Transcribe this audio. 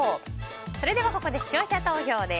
それではここで視聴者投票です。